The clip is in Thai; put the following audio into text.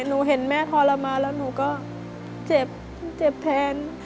หนูเห็นแม่ทรมานแล้วหนูก็เจ็บเจ็บแทน